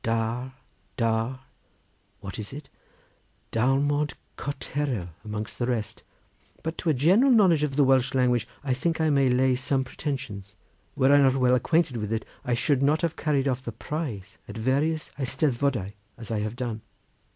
Dar, Dar—what is it? Darmod Cotterel amongst the rest, but to a general knowledge of the Welsh language I think I may lay some pretensions; were I not well acquainted with it I should not have carried off the prize at various eisteddfodau, as I have done.